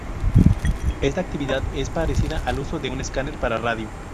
Esta actividad es parecida al uso de un escáner para radio.